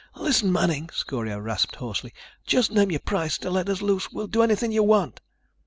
"Listen, Manning," Scorio rasped hoarsely, "just name your price to let us loose. We'll do anything you want."